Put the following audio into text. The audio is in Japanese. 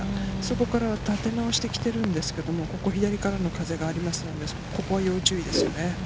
ここから立て直してきているんですけど、ここ左からの風がありますので、要注意ですよね。